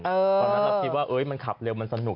ตอนนั้นเราคิดว่ามันขับเร็วมันสนุก